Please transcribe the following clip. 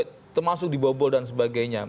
itu masuk di bobol dan sebagainya